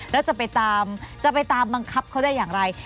แล้วจะไปตามจะไปตามบังคับเขาได้อย่างไร